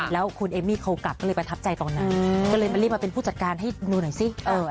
แล้วคุณเอมมี่เขากลับก็เลยประทับใจตอนนั้นก็เลยมารีบมาเป็นผู้จัดการให้ดูหน่อยสิ